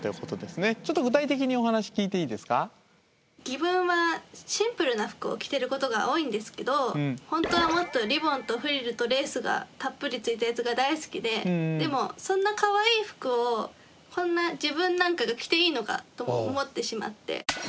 自分はシンプルな服を着てることが多いんですけど本当はもっとリボンとフリルとレースがたっぷり付いたやつが大好きででもそんなかわいい服をこんな自分なんかが着ていいのかと思ってしまって。